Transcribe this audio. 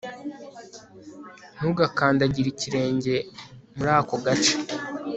Ntugakandagire ikirenge muri ako gace